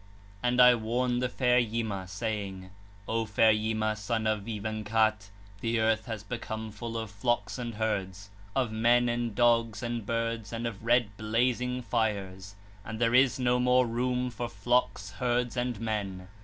17 (28). And I warned the fair Yima, saying: 'O fair Yima, son of Vîvanghat, the earth has become full of flocks and, herds, of men and dogs and birds and of red blazing fires, and there is no more room for flocks, herds, and men.'